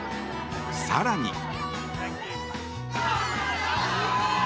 更に。